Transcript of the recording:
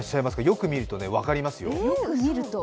よく見ると分かりますよ。